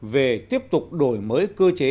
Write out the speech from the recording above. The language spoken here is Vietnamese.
về tiếp tục đổi mới cơ chế